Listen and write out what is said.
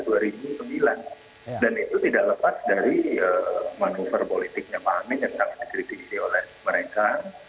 dan itu tidak lepas dari manuver politiknya pak amin yang terkritisi oleh mereka